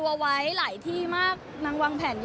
แล้วก็ด้วยความที่อุ่นวายคิวไม่ลองตัวอะไรอย่างเงี้ย